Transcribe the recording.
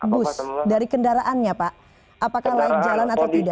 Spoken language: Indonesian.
bus dari kendaraannya pak apakah naik jalan atau tidak